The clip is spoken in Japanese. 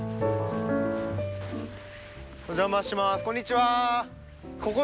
お邪魔します。